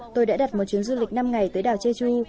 tôi đã đặt một chuyến du lịch năm ngày tới đảo jeju